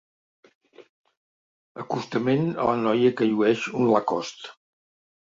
Acostament a la noia que llueix un Lacoste.